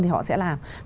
thì họ sẽ làm